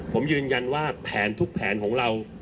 ผมยืนยันว่าแผนทุกแผนของเรา